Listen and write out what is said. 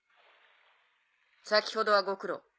先ほどはご苦労。